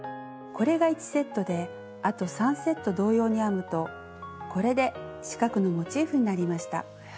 これが１セットであと３セット同様に編むとこれで四角のモチーフになりました。